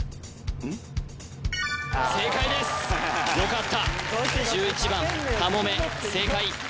正解ですよかった１１番カモメ正解